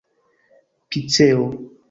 piceo